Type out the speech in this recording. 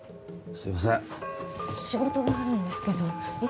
すいません